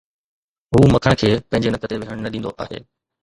هو مکڻ کي پنهنجي نڪ تي ويهڻ نه ڏيندو آهي